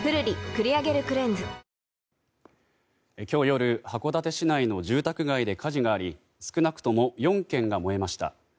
今日夜、函館市内の住宅街で火事があり少なくとも４軒が燃えました。